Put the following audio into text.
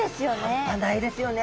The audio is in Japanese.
半端ないですよね。